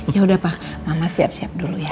yaudah pak mama siap siap dulu ya